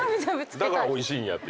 だからおいしいんやという。